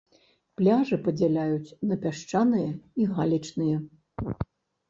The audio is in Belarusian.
Пляжы падзяляюць на пясчаныя і галечныя.